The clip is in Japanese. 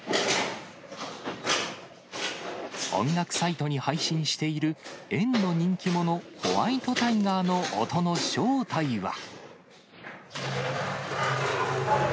音楽サイトに配信している、園の人気者、ホワイトタイガーの音の正体は。